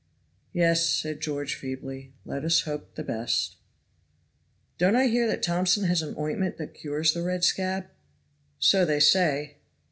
"Yes" said George feebly. "Let us hope the best." "Don't I hear that Thompson has an ointment that cures the red scab?" "So they say."